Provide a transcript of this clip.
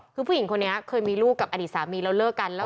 คือผู้หญิงคนนี้เคยมีลูกกับอดีตสามีแล้วเลิกกันแล้ว